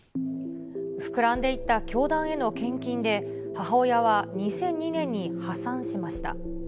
膨らんでいった教団への献金で、母親は２００２年に破産しました。